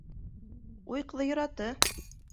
— Уй ҡыҙ йораты!